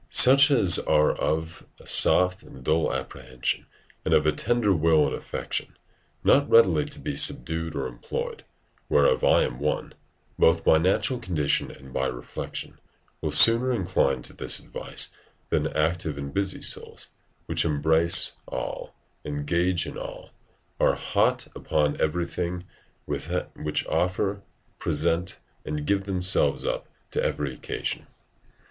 Such as are of a soft and dull apprehension, and of a tender will and affection, not readily to be subdued or employed, whereof I am one, both by natural condition and by reflection, will sooner incline to this advice than active and busy souls, which embrace: all, engage in all, are hot upon everything, which offer, present, and give themselves up to every occasion.